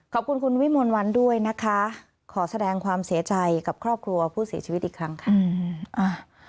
ขอบคุณคุณวิมวลวันด้วยนะคะขอแสดงความเสียใจกับครอบครัวผู้เสียชีวิตอีกครั้งค่ะ